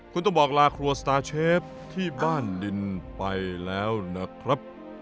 คุณต้องบอกลาครัวสตาร์เชฟที่บ้านดินไปแล้วนะครับ